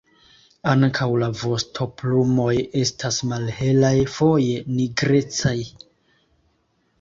Ankaŭ la vostoplumoj estas malhelaj, foje nigrecaj.